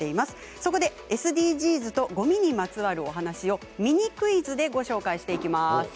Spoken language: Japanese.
そこでＳＤＧｓとごみにまつわるお話をミニクイズでご紹介していきます。